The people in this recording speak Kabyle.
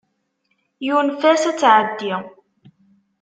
Yunef-as ad tɛeddi.